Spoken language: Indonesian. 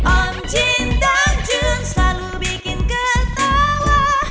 om jin dan jun selalu bikin ketawa